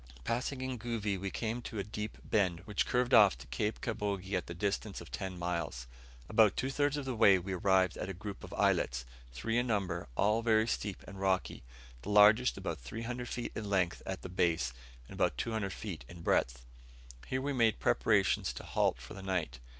Passing Ngovi, we came to a deep bend, which curved off to Cape Kabogi at the distance of ten miles. About two thirds of the way we arrived at a group of islets, three in number, all very steep and rocky; the largest about 300 feet in length at the base, and about 200 feet in breadth. Here we made preparations to halt for the night.